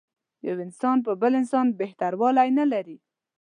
یو انسان په بل انسان بهتر والی نه لري.